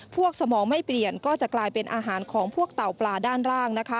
สมองไม่เปลี่ยนก็จะกลายเป็นอาหารของพวกเต่าปลาด้านล่าง